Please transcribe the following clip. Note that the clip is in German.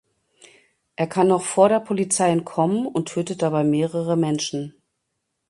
Er kann noch vor der Polizei entkommen und tötet dabei mehrere Menschen.